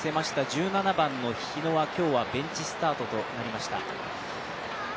１７番の日野は、今日はベンチスタートとなりました。